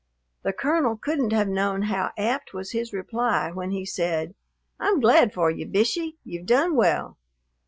The colonel couldn't have known how apt was his reply when he said, "I'm glad for you, Bishey. You've done well."